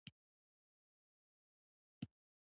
د ده یو وخت خوراک د څلورو تنو لپاره بس وو.